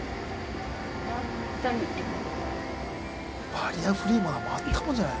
バリアフリーもあったもんじゃない。